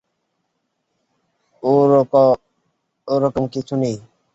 ওরকম কিছু নেই।